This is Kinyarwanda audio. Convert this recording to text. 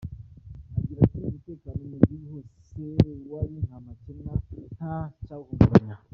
Agira ati “Umutekano mu gihugu hose wari nta makemwa, nta cyawuhungabanyije.